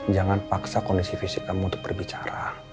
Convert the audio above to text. jangan paksa kondisi fisik kamu untuk berbicara